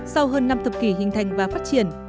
sau hơn năm thập kỷ hình thành và phát triển